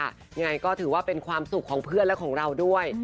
ยังไงก็ถือว่าเป็นความสุขของเพื่อนและของเราด้วย